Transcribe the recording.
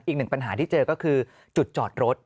อีกหนึ่งปัญหาที่เจอก็คือจุดจอดรถ